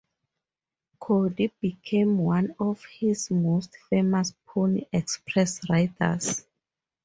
Cody became one of his most famous Pony Express riders.